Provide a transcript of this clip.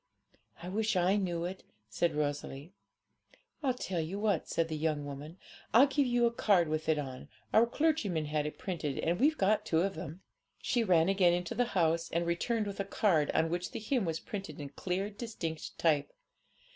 'I wish I knew it,' said Rosalie. 'I'll tell you what,' said the young woman, 'I'll give you a card with it on; our clergyman had it printed, and we've got two of them.' She ran again into the house, and returned with a card, on which the hymn was printed in clear, distinct type.